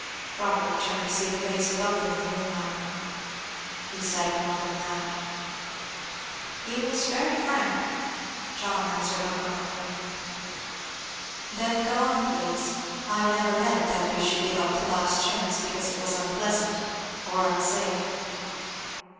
Robert turned to see the face above him in the moonlight. "He said more than that." "He was very frank," John answered laconically. "Then, go on, please. I never meant that we should give up the last chance because it was unpleasant, or unsafe.